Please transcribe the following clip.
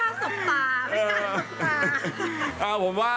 ออออไม่กล้าไม่กล้าสมตา